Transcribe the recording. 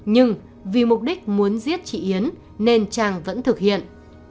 nhưng vì mục đích muốn giết chị yến nên trang vẫn thực hiện